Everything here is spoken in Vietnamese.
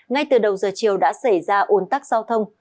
ngay từ đầu giờ chiều đã xảy ra ồn tắc giao thông